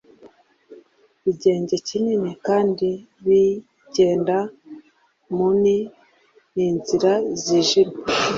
Igienge kinini kandi kigenda muni, ninzira zijimye